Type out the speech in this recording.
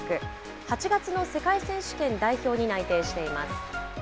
８月の世界選手権代表に内定しています。